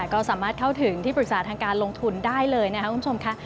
ก็สามารถเข้าถึงที่ปรึกษาทางการลงทุนได้เลยนะครับคุณผู้ชมค่ะ